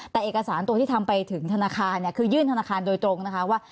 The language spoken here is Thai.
แต่เอกสารตัวที่ทำไปถึงธนาคารเนี่ยคือยื่นธนาคารโดยตรงนะคะว่า